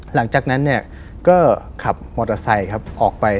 หลังจากนั้นก็ขับมอเตอร์ไซค์ออกไป